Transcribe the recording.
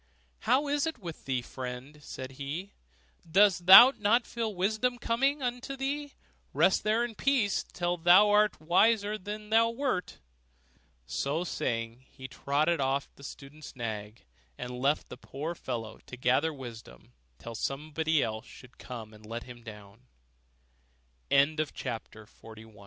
'How is it with thee, friend?' said he, 'dost thou not feel that wisdom comes unto thee? Rest there in peace, till thou art a wiser man than thou wert.' So saying, he trotted off on the student's nag, and left the poor fellow to gather wisdom till somebody should come and let